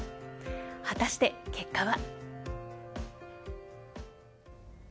果たして結果は。